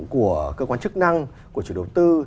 của cơ quan chức năng của chủ đầu tư